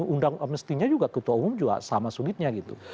undang mestinya juga ketua umum juga sama sulitnya gitu